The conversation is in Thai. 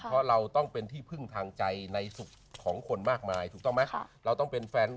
เพราะเราต้องเป็นที่พึ่งทางใจในสุขของคนมากมายถูกต้องไหม